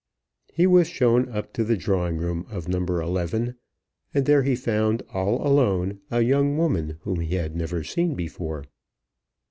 He was shown up to the drawing room of No. 11, and there he found all alone a young woman whom he had never seen before.